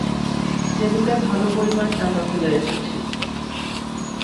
টেবিলে ভালো পরিমাণ টাকা ফেলে এসেছি।